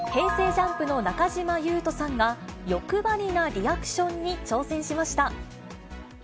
ＪＵＭＰの中島裕翔さんが、よくばりなリアクションに挑戦しました。